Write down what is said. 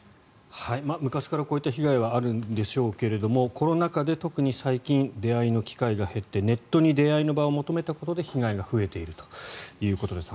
昔からこういった被害はあるんでしょうけどコロナ禍で特に最近出会いの機会が減ってネットに出会いの場を求めたことで被害が増えているということです